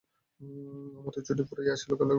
আমার তো ছুটি ফুরাইয়া আসিল, কালই গাজিপুরে যাইতে হইবে।